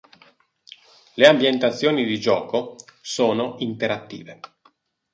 Le ambientazioni di gioco sono interattive.